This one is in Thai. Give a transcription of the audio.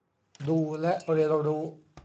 ดู และ เรียนรู้